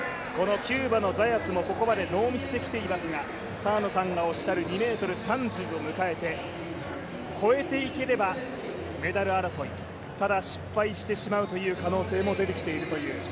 キューバのザヤスもここまでノーミスで来ていますが澤野さんがおっしゃる２ｍ３０を迎えて、越えていければメダル争い、ただ失敗してしまう可能性も出てきているという。